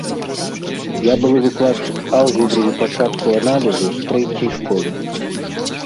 Я былы выкладчык алгебры і пачатку аналізу з трэцяй школы.